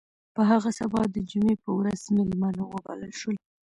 په هغه سبا د جمعې په ورځ میلمانه وبلل شول.